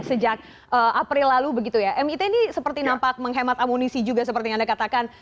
sejak april lalu begitu ya mit ini seperti nampak menghemat amunisi juga seperti yang anda katakan